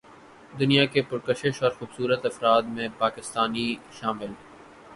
دنیا کے پرکشش اور خوبصورت افراد میں پاکستانی شامل